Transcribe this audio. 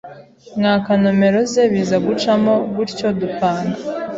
mwaka nomero ze biza gucamo gutyodupanga